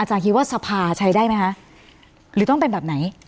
คิดว่าสภาใช้ได้ไหมคะหรือต้องเป็นแบบไหน